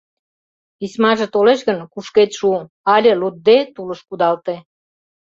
Письмаже толеш гын, кушкед шу, але, лудде, тулыш кудалте.